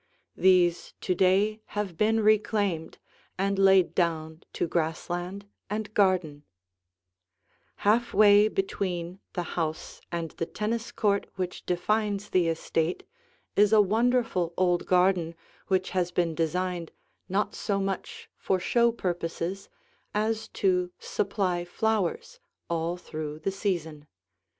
These to day have been reclaimed and laid down to grass land and garden. [Illustration: Across the Lawn] Half way between the house and the tennis court which defines the estate is a wonderful old garden which has been designed not so much for show purposes as to supply flowers all through the season.